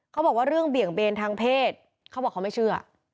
เขาบอกว่าเรื่องเบี่ยงเบนทางเพศเขาบอกเขาไม่เชื่อ